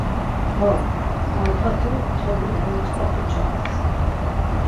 Ho, andğati toli ugontzk̆apu cans.